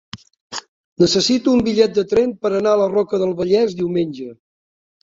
Necessito un bitllet de tren per anar a la Roca del Vallès diumenge.